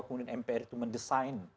kemudian mpr itu mendesain